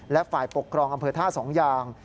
และฝ่ายปกครองอำเภอท่าสองยาง